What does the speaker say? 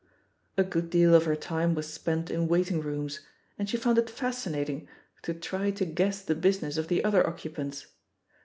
A good deal of her time was spent in waiting rooms, and she found it fascinating to try to guess the business of the other occupants.